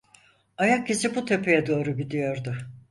Ayak izi bu tepeye doğru gidiyordu.